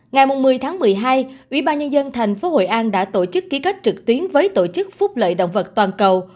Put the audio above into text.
ngày một mươi tháng một mươi hai ủy ban nhân dân thành phố hội an đã tổ chức ký kết trực tuyến với tổ chức phúc lợi động vật toàn cầu